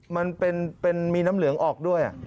มันมีน้ำเหลืองออกด้วย